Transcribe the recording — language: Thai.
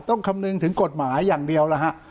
ต้องคำนึงถึงกฎหมายอย่างเดียว